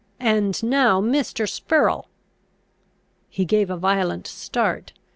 And now, Mr. Spurrel!" He gave a violent start.